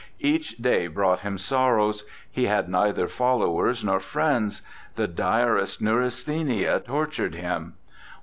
Each day brought him sorrows; he had neither followers nor friends; the direst neurasthenia tortured him.